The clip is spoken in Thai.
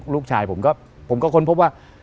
ลูกชายผมก็ค้นพบว่า